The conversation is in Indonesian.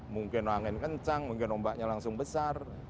mungkin angin kencang mungkin ombaknya langsung besar